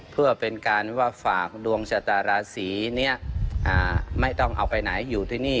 พระอาทิตย์